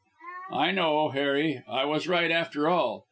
"I know, Harry. I was right, after all.